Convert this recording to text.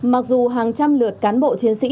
mặc dù hàng trăm lượt cán bộ chiến sĩ